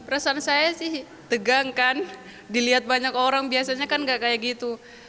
rasa saya sih tegang kan dilihat banyak orang biasanya kan gak kayak gitu